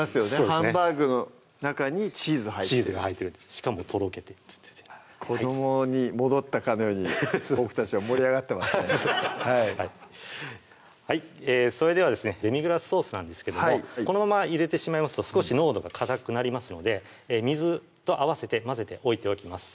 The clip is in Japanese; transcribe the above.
ハンバーグの中にチーズ入ってるしかもとろけてる子どもに戻ったかのように僕たちは盛り上がってますねそれではですねデミグラスソースなんですけどもこのまま入れてしまいますと少し濃度がかたくなりますので水と合わせて混ぜて置いておきます